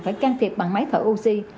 phải can thiệp bằng máy thở oxy